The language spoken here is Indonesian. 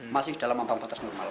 masih dalam ampatas normal